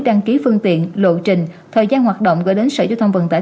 đăng ký phương tiện lộ trình thời gian hoạt động gửi đến sở giao thông vận tải